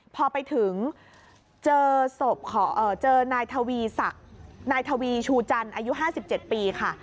พอไปถึงเจอนายทวีชูจันอายุ๕๗ปีค่ะ